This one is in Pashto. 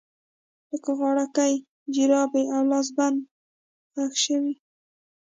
لکه غاړکۍ، جرابې او لاسبند ښخ شوي